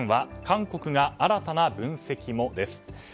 韓国が新たな分析もです。